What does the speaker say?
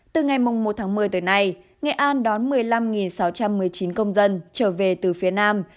từ ngày một tháng một mươi tới nay nghệ an đón một mươi năm sáu trăm một mươi chín công dân trở về từ phía nam